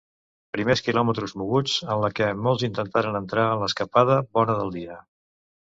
Primers quilòmetres moguts en la que molts intentaren entrar en l'escapada bona del dia.